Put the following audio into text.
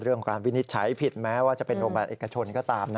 การวินิจฉัยผิดแม้ว่าจะเป็นโรงพยาบาลเอกชนก็ตาม